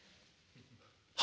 「は？」。